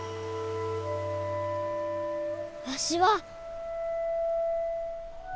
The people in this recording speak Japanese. わしは。